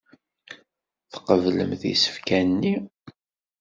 Tqeblemt isefka-nni.